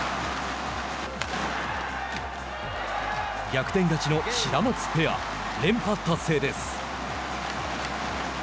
逆転勝ちのシダマツペア連覇達成です。